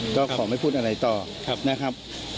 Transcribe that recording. ก็ขอไม่พูดอะไรต่อนะครับ